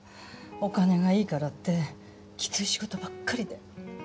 お金がいいからってきつい仕事ばっかりで。